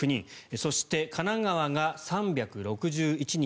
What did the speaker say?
そして、神奈川が３６１人